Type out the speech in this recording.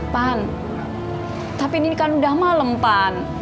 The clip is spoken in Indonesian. pan tapi ini kan udah malam pan